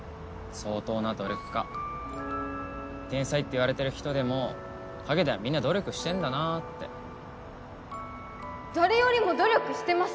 相当な努力家天才って言われてる人でも陰ではみんな努力してんだなって誰よりも努力してます